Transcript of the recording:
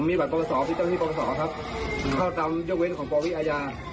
ผมมีบัตรประกอบสอบที่เจ้าหน้าที่ประกอบสอบครับเข้าตามยกเว้นของปววิอาญา